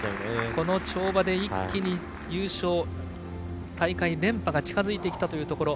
この跳馬で一気に優勝大会連覇が近づいてきたというところ。